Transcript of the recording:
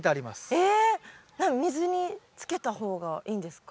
水につけた方がいいんですか？